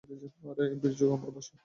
আরে বিরজু, আমার ভাষণ?